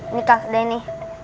ini kak denny